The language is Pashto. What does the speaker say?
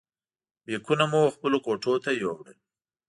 بیکونه مو خپلو کوټو ته یوړل.